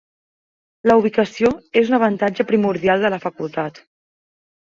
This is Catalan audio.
La ubicació és un avantatge primordial de la Facultat.